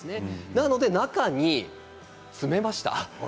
なので中に詰めました。